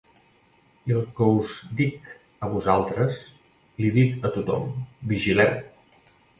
I el que us dic a vosaltres, l'hi dic a tothom: Vigileu!